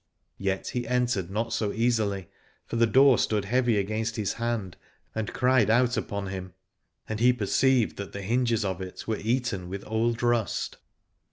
Yet he entered not so easily, for the door stood heavy against his hand and cried out upon him : and he perceived that the hinges of it were eaten with old rust.